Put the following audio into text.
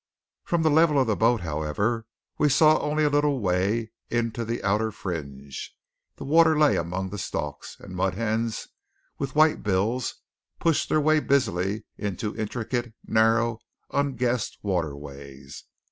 From the level of the boat, however, we saw only a little way into the outer fringe. The water lay among the stalks, and mud hens with white bills pushed their way busily into intricate narrow unguessed waterways.